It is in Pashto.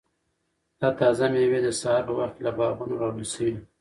دا تازه مېوې د سهار په وخت کې له باغونو راوړل شوي.